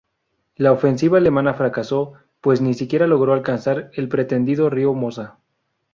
La ofensiva alemana fracasó, pues ni siquiera logró alcanzar el pretendido río Mosa.